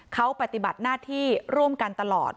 เขาปฏิบัติหน้าที่ร่วมกันตลอด